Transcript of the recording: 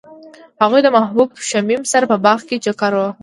هغوی د محبوب شمیم سره په باغ کې چکر وواهه.